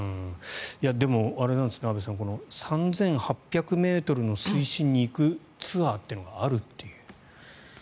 でも安部さん３８００ｍの水深に行くツアーというのがあるという。